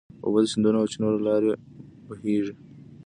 اوبه د سیندونو او چینو له لارې بهېږي.